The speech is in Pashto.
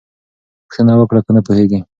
پوښتنه وکړه که نه پوهېږې.